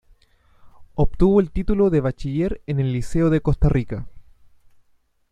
Obtuvo el título de bachiller en el Liceo de Costa Rica.